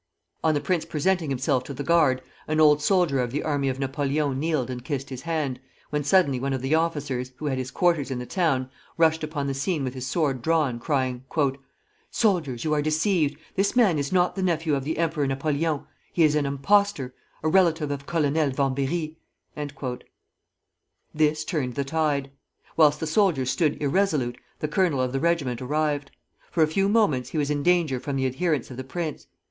On the prince presenting himself to the guard, an old soldier of the army of Napoleon kneeled and kissed his hand, when suddenly one of the officers, who had his quarters in the town, rushed upon the scene with his sword drawn, crying: "Soldiers, you are deceived! This man is not the nephew of the Emperor Napoleon, he is an impostor, a relative of Colonel Vambéry!" This turned the tide. Whilst the soldiers stood irresolute, the colonel of the regiment arrived. For a few moments he was in danger from the adherents of the prince.